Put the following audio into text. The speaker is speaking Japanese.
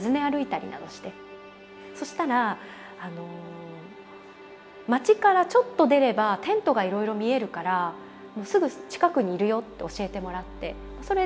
そしたら町からちょっと出ればテントがいろいろ見えるからすぐ近くにいるよって教えてもらってそれで自分で歩きながら探したんです。